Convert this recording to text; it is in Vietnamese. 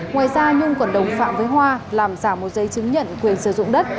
ngoài ra nhung còn đồng phạm với hoa làm giả một giấy chứng nhận quyền sử dụng đất